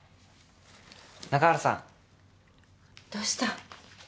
・中原さん。どうした？